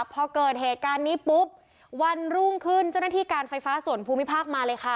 พอเกิดเหตุการณ์นี้ปุ๊บวันรุ่งขึ้นเจ้าหน้าที่การไฟฟ้าส่วนภูมิภาคมาเลยค่ะ